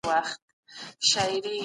د توحيد پېژندنه بې له علمه ګرانه ده.